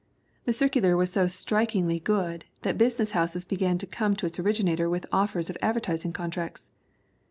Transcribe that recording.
The circu lar was so strikingly good that business houses began to come to its originator with offers of advertising contracts.